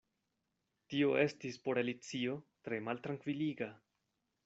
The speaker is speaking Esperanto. Tio estis por Alicio tre maltrankviliga.